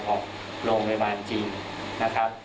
ของโรงพยาบาลจริงนะครับ